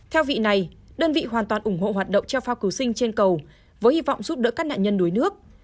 theo vị này đơn vị hoàn toàn ủng hộ hoạt động cho phao cứu sinh trên cầu với hy vọng giúp đỡ các nạn nhân đuối nước